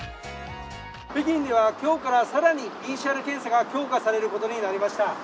北京では今日から更にＰＣＲ検査が強化されることになりました。